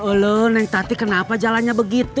uloh uloh neng tati kenapa jalannya begitu